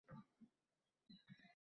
ammo uni oqlayman va duo qilaman.